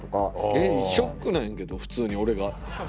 「えっショックなんやけど普通に俺が」